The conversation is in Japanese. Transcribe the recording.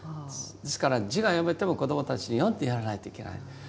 ですから字が読めても子どもたちに読んでやらないといけない。